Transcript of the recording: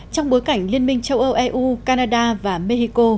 trong bối cảnh liên minh châu âu eu canada và mexico